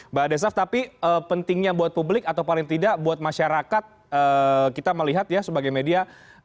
mbak desaf tapi pentingnya buat publik atau paling tidak buat masyarakat kita melihat ya sebagai media